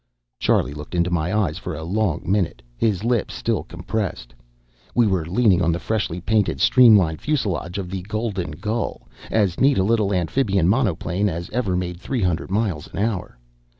Charlie looked into my eyes for a long minute, his lips still compressed. We were leaning on the freshly painted, streamline fuselage of the Golden Gull, as neat a little amphibian monoplane as ever made three hundred miles an hour.